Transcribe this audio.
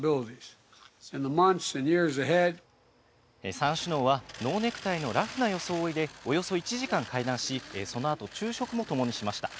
３首脳はノーネクタイのラフな装いでおよそ１時間会談し、そのあと、昼食も共にしました。